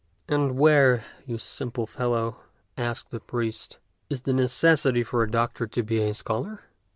"And where, you simple fellow," asked the priest, "is the necessity for a doctor to be a scholar?